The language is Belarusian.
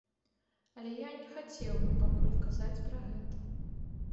Але я не хацеў бы пакуль казаць пра гэта.